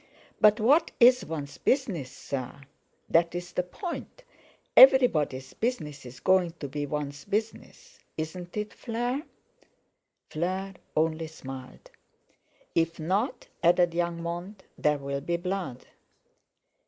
"But what is one's business, sir? That's the point. Everybody's business is going to be one's business. Isn't it, Fleur?" Fleur only smiled. "If not," added young Mont, "there'll be blood."